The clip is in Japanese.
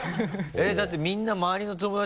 えっだってみんな周りの友達